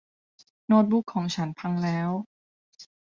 โน้ตบุ๊คของฉันพังแล้ว